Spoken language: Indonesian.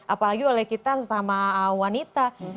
apa lagi oleh kita sesama wanita